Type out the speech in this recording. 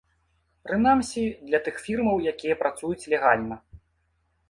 Прынамсі, для тых фірмаў, якія працуюць легальна.